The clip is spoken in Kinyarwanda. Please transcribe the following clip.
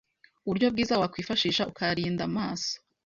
uburyo bwiza wakwifashisha ukarinda amaso